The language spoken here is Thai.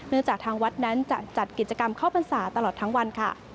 จากทางวัดนั้นจะจัดกิจกรรมเข้าพรรษาตลอดทั้งวันค่ะ